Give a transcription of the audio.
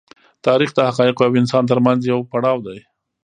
تاریخ د حقایقو او انسان تر منځ یو پړاو دی.